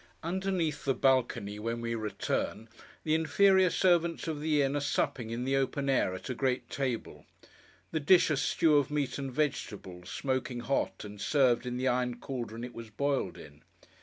Underneath the balcony, when we return, the inferior servants of the inn are supping in the open air, at a great table; the dish, a stew of meat and vegetables, smoking hot, and served in the iron cauldron it was boiled in.